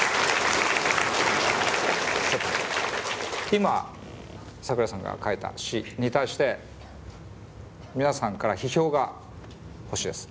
今桜井さんが書いた詩に対して皆さんから批評が欲しいです。